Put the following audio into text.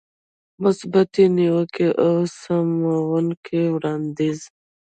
مثبتې نيوکې او سموونکی وړاندیز.